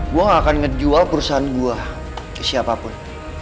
gue gak akan ngejual perusahaan gue ke siapapun